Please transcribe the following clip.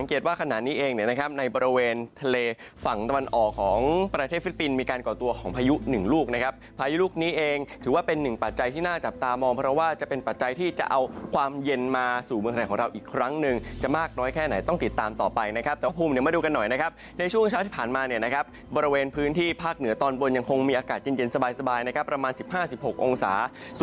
ของพายุหนึ่งลูกนะครับพายุลูกนี้เองถือว่าเป็นหนึ่งปัจจัยที่น่าจับตามองเพราะว่าจะเป็นปัจจัยที่จะเอาความเย็นมาสู่เมืองไหนของเราอีกครั้งหนึ่งจะมากน้อยแค่ไหนต้องติดตามต่อไปนะครับแต่ว่าภูมิเนี่ยมาดูกันหน่อยนะครับในช่วงเช้าที่ผ่านมาเนี่ยนะครับบริเวณพื้นที่ภาคเหนือตอนบนยังคงมีอากาศ